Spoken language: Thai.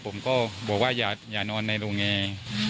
ผมก็บอกว่าอย่านอนในโรงแอร์